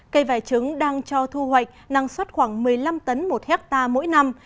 cây vải trứng đang cho thu hoạch năng suất khoảng một mươi năm tấn một hectare mỗi năm